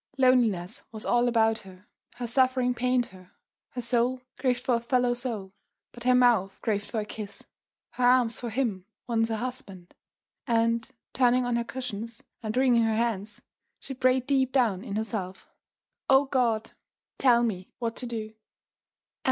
Loneliness was all about her, her suffering pained her; her soul craved for a fellow soul, but her mouth craved for a kiss, her arms for him, once her husband; and, turning on her cushions and wringing her hands, she prayed deep down in herself: "O God, tell me what to do!"